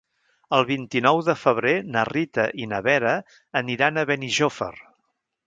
El vint-i-nou de febrer na Rita i na Vera aniran a Benijòfar.